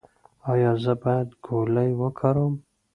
ایا زه باید ګولۍ وکاروم؟